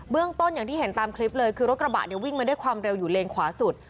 เรื่องต้นอย่างที่เห็นตามคลิปเลยคือรถกระบะเนี่ยวิ่งมาด้วยความเร็วอยู่เลนขวาสุด